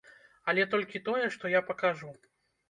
Але толькі тое, што я пакажу.